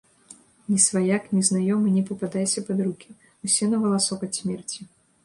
Ні сваяк, ні знаёмы не пападайся пад рукі, усе на валасок ад смерці.